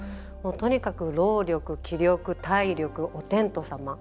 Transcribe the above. とにかく労力、気力、体力お天道様。